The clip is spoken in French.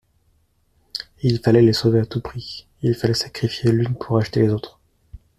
Il fallait les sauver à tout prix ; il fallait sacrifier l'une pour racheter les autres.